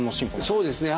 そうですね。